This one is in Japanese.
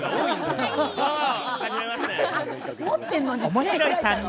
面白い３人。